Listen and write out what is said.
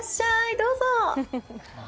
どうぞ。